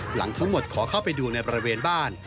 หลังทั้งหมดขอเข้าไปดูในบริเวณบ้าน